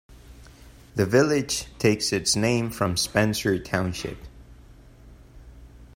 The village takes its name from Spencer Township.